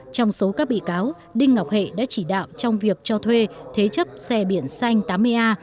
trong số các bị cáo đinh ngọc hệ đã chỉ đạo trong việc cho thuê thế chấp xe biển xanh tám mươi a